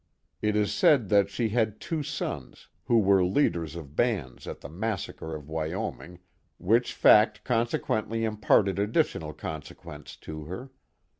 It is said tbat she had t« o sons, who were leaders of bands at the massacre of Wyoming, which fad consequently imparted additional consequence lo her.